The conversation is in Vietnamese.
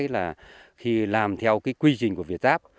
là khi làm theo cái quy trình của việt giáp